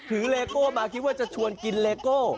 ถือเล็กโกแบบว่าคิดข้องชวนกินเลย